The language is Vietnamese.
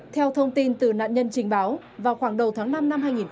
theo thông tin từ nạn nhân trình báo vào khoảng đầu tháng năm năm hai nghìn hai mươi